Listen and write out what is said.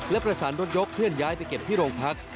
และประสานรถยกเคลื่อนย้ายไปเก็บที่โรงพัก